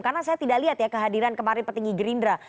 karena saya tidak lihat ya kehadiran kemarin petinggi gerindra